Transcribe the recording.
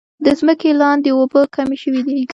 د ځمکې لاندې اوبه کمې شوي دي.